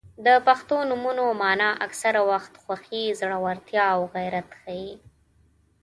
• د پښتو نومونو مانا اکثره وخت خوښي، زړورتیا او غیرت ښيي.